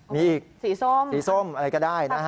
มีอีกสีส้มอะไรก็ได้นะฮะ